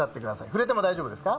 触れても大丈夫ですか？